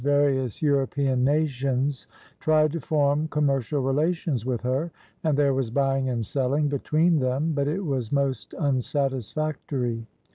Various European nations tried to form commer cial relations with her, and there was buying and selling be tween them, but it was most unsatisfactory.